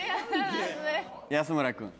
安村君。